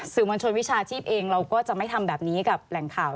มวลชนวิชาชีพเองเราก็จะไม่ทำแบบนี้กับแหล่งข่าว